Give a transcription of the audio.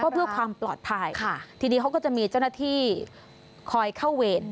เพื่อความปลอดภัยค่ะทีนี้เขาก็จะมีเจ้าหน้าที่คอยเข้าเวร